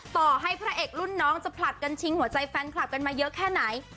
ต่อให้พระเอกรุ่นน้องจะผลัดกันชิงหัวใจแฟนคลับกันมาเยอะแค่ไหน